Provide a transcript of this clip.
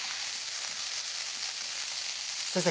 先生